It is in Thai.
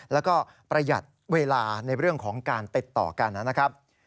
แล้วก็ประหยัดเวลาในเรื่องของการติดต่อกันนะครับ